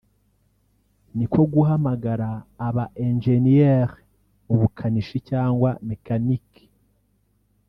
niko guhamagara aba ingenieurs mu bukanishi cyangwa mechnique